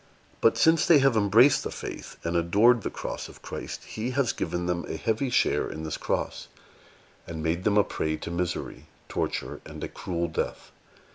But since they have embraced the Faith and adored the cross of Christ, He has given them a heavy share in this cross, and made them a prey to misery, torture, and a cruel death.